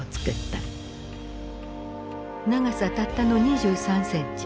長さたったの２３センチ。